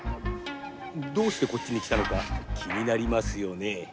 どうしてこっちに来たのか気になりますよね？